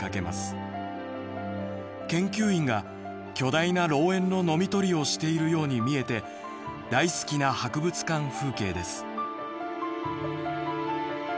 研究員が巨大な老猿のノミ取りをしているように見えて大好きな博物館風景です」。